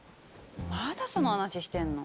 まだその話してんの？